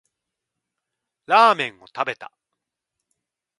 ラーメンを食べた